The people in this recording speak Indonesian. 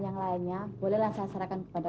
yang lainnya bolehlah saya serahkan kepada